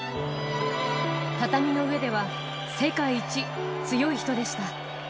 畳の上では世界一強い人でした。